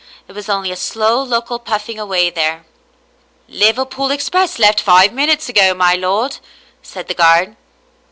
It was only a slow local puffing away there. "Liverpool express left five minutes ago, my lord," said the guard.